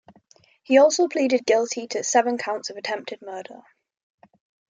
He also pleaded guilty to seven counts of attempted murder.